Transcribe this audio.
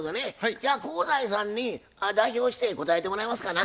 じゃあ香西さんに代表して答えてもらいますかな。